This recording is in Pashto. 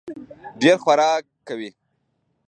ډېر خورک کوي.